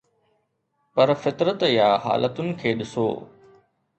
پر فطرت يا حالتن کي ڏسو.